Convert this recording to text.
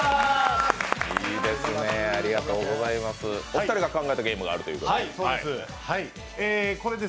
お二人が考えたゲームがあるということで。